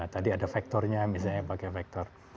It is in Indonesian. tadi ada vektornya misalnya pakai vektor